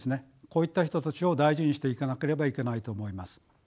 こういった人たちを大事にしていかなければいけないと思います。